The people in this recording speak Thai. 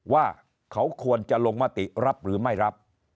ว่าเขาควรจะลงมติรับหรือไม่รับ